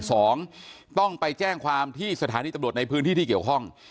สองต้องไปแจ้งความที่สถานีตำรวจในพื้นที่ที่เกี่ยวข้อง